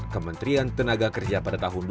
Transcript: kementerian tenaga kerja pada tahun dua ribu dua belas